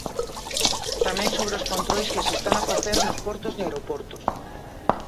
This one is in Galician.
Tamén sobre os controis que se están a facer nos portos e aeroportos.